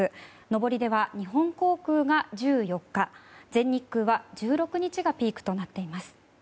上りでは日本航空が１４日全日空は１６日がピークとなっています。